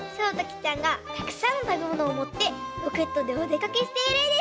ちゃんがたくさんのたべものをもってロケットでおでかけしているえです。